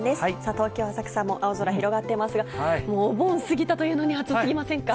東京・浅草も青空広がってますが、もうお盆過ぎたというのに、暑すぎませんか？